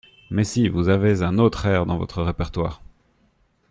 Mais si vous avez un autre air dans votre répertoire !